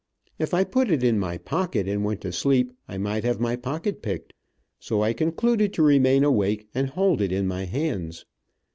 If I put it in my pocket, and went to sleep, I might have my pocket picked, so I concluded to remain awake and hold it in my hands.